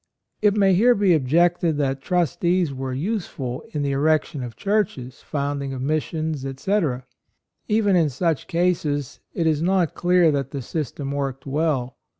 It may here be objected that trustees were useful in the erec tion of churches, founding of missions, etc. Even in such cases it is not clear that the system worked well.